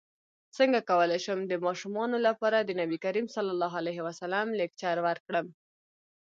څنګه کولی شم د ماشومانو لپاره د نبي کریم ص لیکچر ورکړم